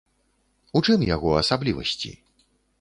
У чым яго асаблівасці?